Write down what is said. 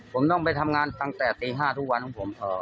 ผมต้องไปทำงานตั้งแต่ตี๕ทุกวันของผม